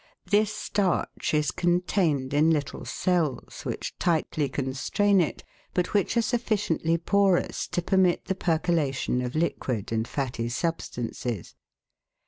This starch is contained in little cells, which tightly constrain it, but which are sufficiently porous to permit the percolation of liquid and fatty substances.